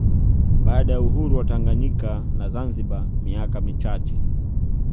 Baada ya uhuru wa Tanganyika na Zanzibar miaka michache